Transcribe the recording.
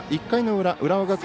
１回の裏。